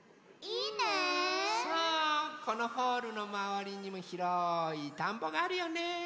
このホールのまわりにもひろいたんぼがあるよね。